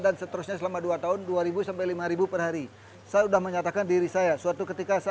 dan seterusnya selama dua tahun dua ribu lima ribu perhari saya udah menyatakan diri saya suatu ketika saya